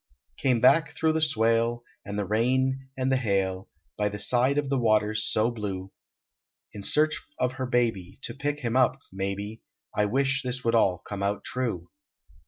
Came back thro the swale, And the rain and the hail, By the side of the waters so blue, In search of her baby, To pick him up, may be, I wish this would all come out true.